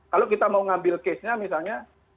kalau kita mau ngambil case nya misalnya